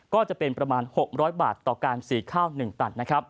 ก็จะเป็นประมาณ๖๐๐บาทต่อการสีข้าว๑ตัด